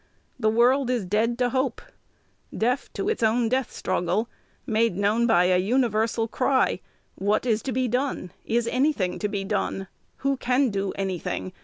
The world is dead to hope, deaf to its own death struggle, made known by a universal cry, What is to be done? Is any thing to be done? Who can do any thing?